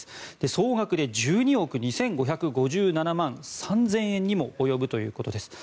総額で１２億２５５７万３０００円にも及ぶということです。